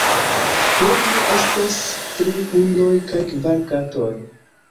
Krome estas tri hundoj kaj kvar katoj.